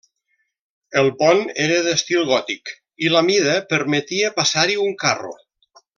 El pont era d'estil gòtic i la mida permetia passar-hi un carro.